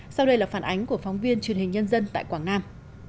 sau đây là phản ánh của phóng viên truyền hình nhân dân tại quảng nam